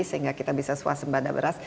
sehingga kita bisa suasan badak beras